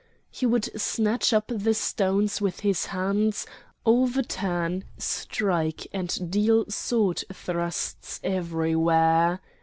He would snatch up the stones with his hands, overturn, strike, and deal sword thrusts everywhere.